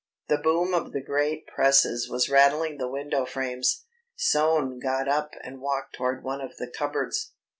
The boom of the great presses was rattling the window frames. Soane got up and walked toward one of the cupboards.